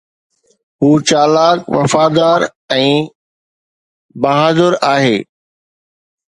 هو چالاڪ، وفادار ۽ بهادر آهي